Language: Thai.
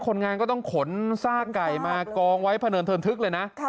คนงานก็ต้องขนซากไก่มากองไว้พะเนินเทินทึกเลยนะ